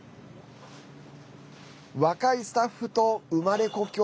若いスタッフと生まれ故郷